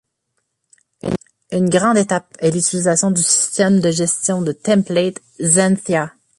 Une grande étape est l’utilisation du système de gestion de templates Xanthia.